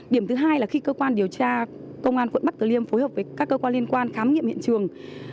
điểm thứ hai là khi cơ quan điều tra công an quận bắc từ liêm phối hợp với các cơ quan liên quan khám nghiệm hiện trường